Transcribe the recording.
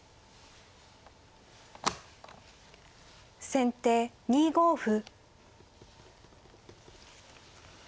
先手２五歩。